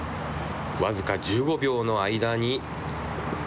僅か１５秒の間に。